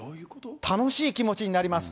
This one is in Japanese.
楽しい気持ちになります。